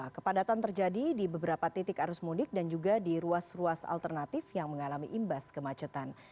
kepadatan terjadi di beberapa titik arus mudik dan juga di ruas ruas alternatif yang mengalami imbas kemacetan